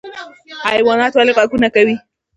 حیوانات ولې غږونه کوي؟